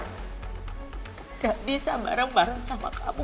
tidak bisa bareng bareng sama kamu